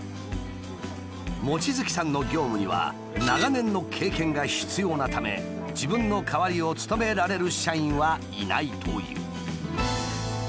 望月さんの業務には長年の経験が必要なため自分の代わりを務められる社員はいないという。